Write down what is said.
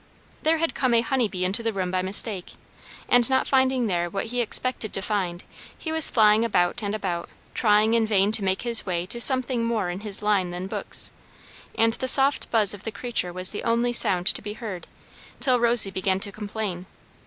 There had come a honey bee into the room by mistake, and not finding there what he expected to find, he was flying about and about, trying in vain to make his way to something more in his line than books; and the soft buzz of the creature was the only sound to be heard, till Rosy began to complain.